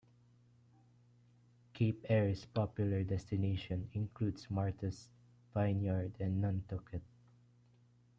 Cape Air's popular destinations include Martha's Vineyard and Nantucket.